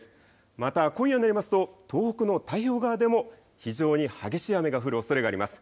また今夜になりますと東北の太平洋側でも非常に激しい雨が降るおそれがあります。